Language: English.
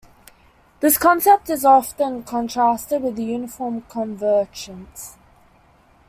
This concept is often contrasted with uniform convergence.